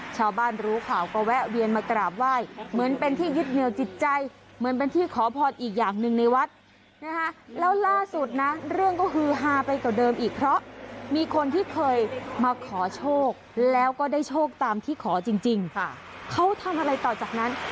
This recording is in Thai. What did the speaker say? ชาวบ้านรู้ข่าวก็แวะเวียนมากราบไหว้เหมือนเป็นที่ยึดเหนียวจิตใจเหมือนเป็นที่ขอพรอีกอย่างหนึ่งในวัดนะคะแล้วล่าสุดนะเรื่องก็คือฮาไปกว่าเดิมอีกเพราะมีคนที่เคยมาขอโชคแล้วก็ได้โชคตามที่ขอจริงเขาทำอะไรต่อจากนั้น